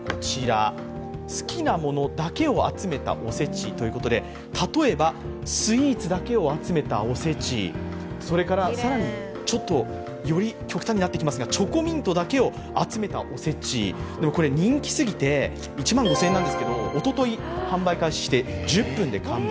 好きなものだけを集めたおせちということで、例えばスイーツだけを集めたおせち、更に、より極端になっていきますがチョコミントだけを集めたおせち、人気すぎて、１万５０００円なんですけど、おととい販売開始して１０分で完売。